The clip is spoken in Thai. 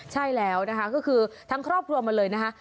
ใช่แล้วนะคะก็คือทั้งครอบครัวมาเลยนะคะ